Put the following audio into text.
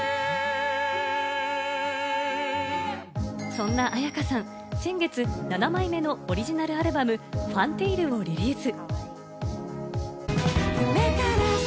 そんな絢香さん、先月７枚目のオリジナルアルバム『Ｆｕｎｔａｌｅ』をリリース。